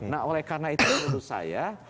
nah oleh karena itu menurut saya